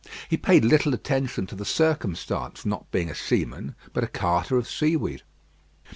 He paid little attention to the circumstance, not being a seaman, but a carter of seaweed.